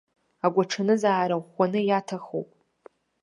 Агәаҽанызаара ӷәӷәаны иаҭахуп.